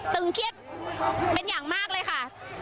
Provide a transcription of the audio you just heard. ตึงเครียดเป็นอย่างมากเลยค่ะ